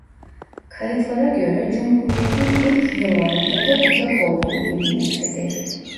Kayıtlara göre Cumhuriyetin ilk yıllarında da bucak olduğu bilinmektedir.